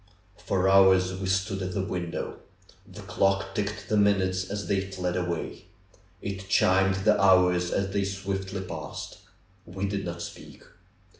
For hours we stood at the window. The clock ticked the minutes as they fled away. It chimed the hours as they swiftly passed. We did not speak.